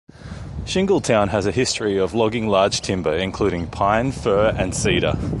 Shingletown has a history of logging large timber, including pine, fir and cedar.